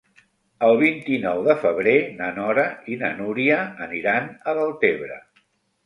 El vint-i-nou de febrer na Nora i na Núria aniran a Deltebre.